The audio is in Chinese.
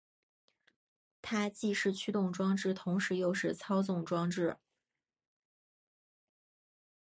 它既是驱动装置同时又是操纵装置。